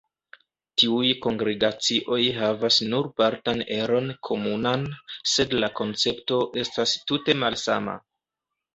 Tiuj kongregacioj havas nur partan eron komunan, sed la koncepto estas tute malsama.